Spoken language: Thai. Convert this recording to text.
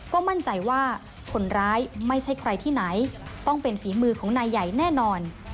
ก็มั่นใจว่าคนร้ายไม่ใช่ใครที่ไหนต้องเป็นฝีมือของนายใหญ่แน่นอน